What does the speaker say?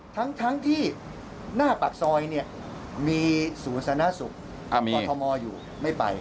ทั้งที่หน้าปากซอยมีศูนย์สานะศุกร์พอทมอยู่ไม่ไป